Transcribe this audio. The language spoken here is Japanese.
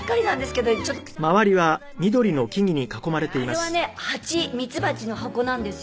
あれはねハチミツバチの箱なんですよ。